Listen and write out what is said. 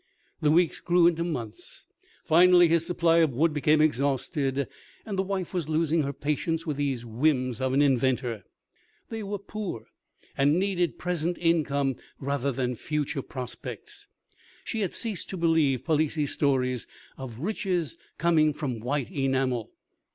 The weeks grew into months. Finally his supply of wood became exhausted, and the wife was losing her patience with these whims of an inventor. They were poor, and needed present income rather than future prospects. She had ceased to believe Palissy's stories of riches coming from white enamel.